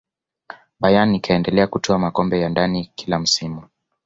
bayern ikaendelea kutwaa makombe ya ndani kila msimu